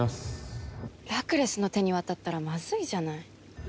ラクレスの手に渡ったらまずいじゃない。